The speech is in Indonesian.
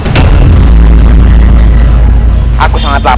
buatlah api wonggun untukku